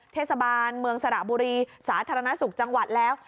เทศบาลเมืองสระบุรีสาธารณสุขจังหวัดแล้ว